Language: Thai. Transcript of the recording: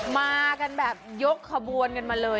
มากันแบบยกขบวนกันมาเลย